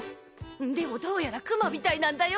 でもどうやらクマみたいなんだよ。